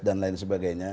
dan lain sebagainya